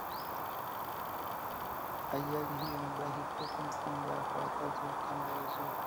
Ajali hiyo imebaki kuwa kumbukumbu mbaya kwa wakazi wa Kanda ya Ziwa